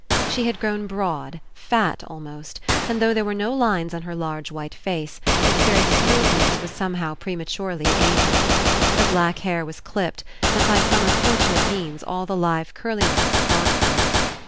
She had grown broad, fat almost, and though there were no lines on her large white face. Its very smoothness was somehow pre maturely ageing. Her black hair was dipt, and by some unfortunate means all the live curliness had gone from It.